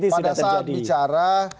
pada saat bicara